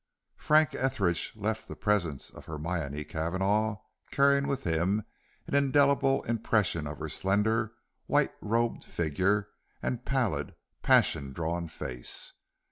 Frank Etheridge left the presence of Hermione Cavanagh, carrying with him an indelible impression of her slender, white robed figure and pallid, passion drawn face.